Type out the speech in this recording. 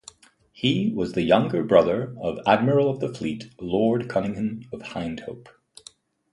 He was the younger brother of Admiral of the Fleet Lord Cunningham of Hyndhope.